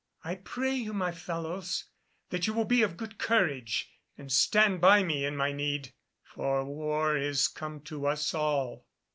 "I pray you, my fellows, that you will be of good courage and stand by me in my need, for war is come to us all."